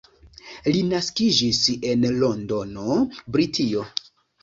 Li naskiĝis en Londono, Britio.